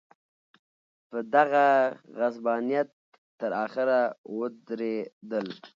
په دغه غصبانیت تر اخره ودرېدل.